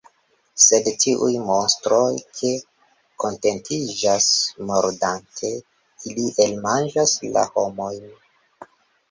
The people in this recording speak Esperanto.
Sed tiuj monstroj ne kontentiĝas mordante, ili elmanĝas la homojn!